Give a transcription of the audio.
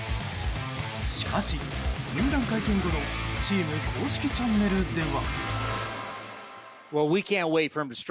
しかし、入団会見後のチーム公式チャンネルでは。